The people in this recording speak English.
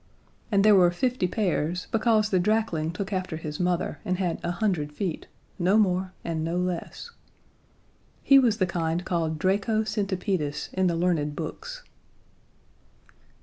And there were fifty pairs because the drakling took after his mother, and had a hundred feet no more and no less. He was the kind called Draco centipedis in the learned books.